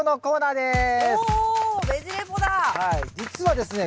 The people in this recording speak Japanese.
実はですね